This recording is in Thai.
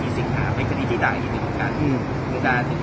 อีกแล้วกันซึ่งเป็นการต่อเนี่ยจะหรือมันก็ทำผมต่อฝี่